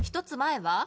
１つ前は？